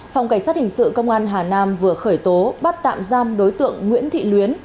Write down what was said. phòng cảnh sát hình sự công an hà nam vừa khởi tố bắt tạm giam đối tượng nguyễn thị luyến